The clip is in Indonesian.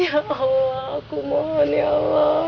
ya allah aku mohon ya allah